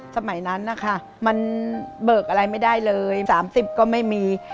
สมัยนั้นนะคะมันเบิกอะไรไม่ได้เลย๓๐ก็ไม่มี